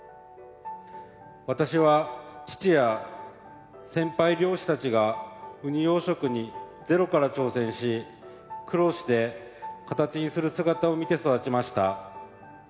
私は、父や先輩漁師たちがウニ養殖にゼロから挑戦し苦労して形にする姿を見て育ちました。